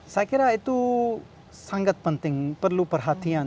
saya kira itu sangat penting perlu perhatian